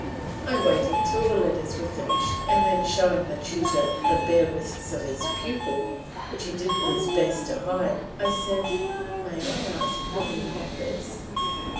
I waited till the letters were finished and then showing the tutor the bare wrists of his pupil, which he did his best to hide, I said, "May I ask the meaning of this?"